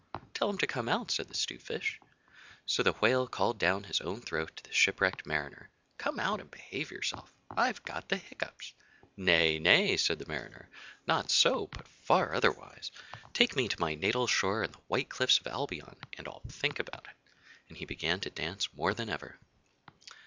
'Tell him to come out,' said the 'Stute Fish. So the Whale called down his own throat to the shipwrecked Mariner, 'Come out and behave yourself. I've got the hiccoughs.' 'Nay, nay!' said the Mariner. 'Not so, but far otherwise. Take me to my natal shore and the white cliffs of Albion, and I'll think about it.' And he began to dance more than ever.